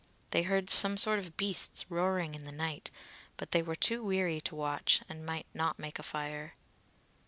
They heard some sort of beasts roaring in the night, but they were too weary to watch, and might not make a fire.